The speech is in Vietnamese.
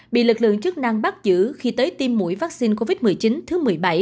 bị lực lượng chức năng bắt giữ khi tới tiêm mũi vaccine covid một mươi chín thứ một mươi bảy